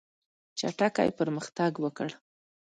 چټکي پرمختګ وکړ.